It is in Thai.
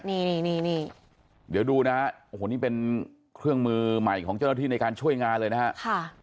นี่นี่เดี๋ยวดูนะฮะโอ้โหนี่เป็นเครื่องมือใหม่ของเจ้าหน้าที่ในการช่วยงานเลยนะฮะ